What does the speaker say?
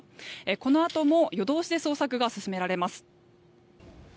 このあとも夜通しで捜索が進められます。